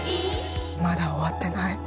まだ終わってない。